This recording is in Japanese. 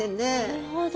なるほど。